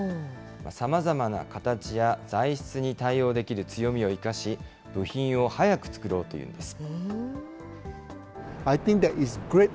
さまざまな形や材質に対応できる強みを生かし、部品を早く作ろうというんです。